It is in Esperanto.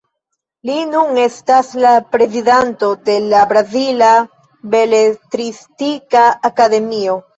Li nun estas la prezidanto de la Brazila Beletristika Akademio.